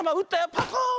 パコーン！